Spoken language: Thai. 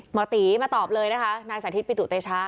หมอตีมาตอบเลยนะคะนายสาธิตปิตุเตชะ